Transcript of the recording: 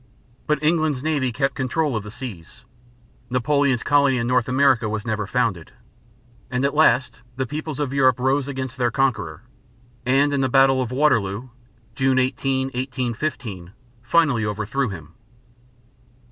But England's navy kept control of the seas; Napoleon's colony in North America was never founded; and at last the peoples of Europe rose against their conqueror, and in the battle of Waterloo, June 18, 1815, finally overthrew him.